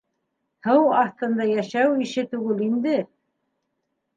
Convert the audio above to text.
Һыу аҫтында йәшәү ише түгел инде.